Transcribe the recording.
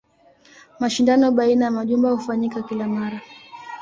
Mashindano baina ya majumba hufanyika kila mara.